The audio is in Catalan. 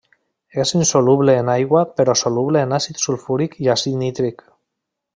És insoluble en aigua però soluble en àcid sulfúric i àcid nítric.